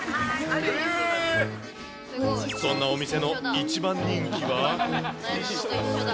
そのお店の一番人気は。